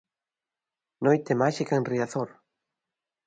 Noite máxica en Riazor.